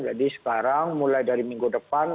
jadi sekarang mulai dari minggu depan